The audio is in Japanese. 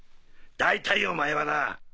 大体お前はな！